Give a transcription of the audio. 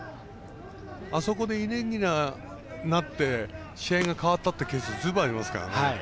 あそこでイレギュラーになって試合が変わったっていうケースありますからね。